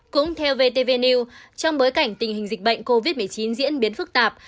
cũng theo vtv trong bối cảnh tình hình dịch bệnh covid một mươi chín diễn biến phức tạp